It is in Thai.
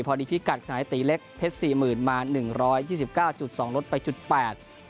พิกัดขณะตีเล็กเพชรสี่หมื่นมาหนึ่งร้อยยี่สิบเก้าจุดสองลดไปจุดแปด